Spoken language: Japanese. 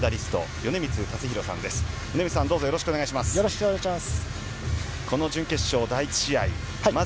米満さん、どうぞよろしくお願いします。